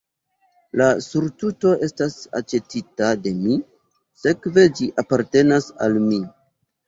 La surtuto estas aĉetita de mi, sekve ĝi apartenas al mi.